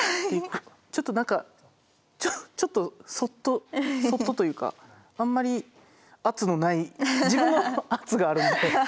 ちょっと何かちょっとそっとそっとというかあんまり圧のない。